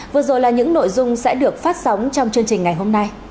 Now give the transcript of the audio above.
vừa rồi là những nội dung sẽ được phát sóng trong chương trình ngày hôm nay